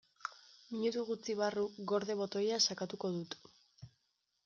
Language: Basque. Minutu gutxi barru "gorde" botoia sakatuko dut.